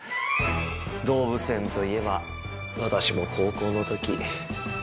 動物園といえば私も高校の時。